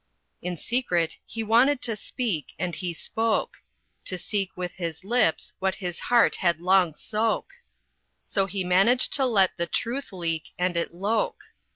In secret he wanted to speak, and he spoke: To seek with his lips what his heart had long soke; So he managed to let the truth leak, and it loke.